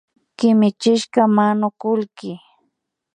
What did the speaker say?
Kimichishka manukullki